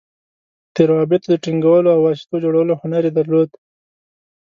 د روابطو د ټینګولو او واسطو جوړولو هنر یې درلود.